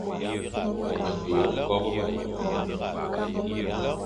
Du ñkobe.